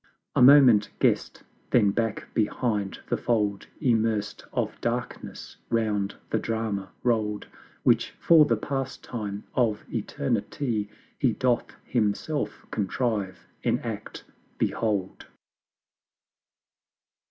A moment guessed then back behind the Fold Immerst of Darkness round the Drama roll'd Which, for the Pastime of Eternity, He doth Himself contrive, enact, behold.